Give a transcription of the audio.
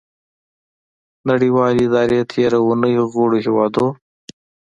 نړیوالې ادارې تیره اونۍ غړیو هیوادو